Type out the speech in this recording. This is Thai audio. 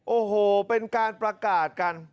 โอ้โหเป็นการประกาศกัน